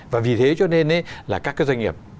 và vì thế cho nên là các cái doanh nghiệp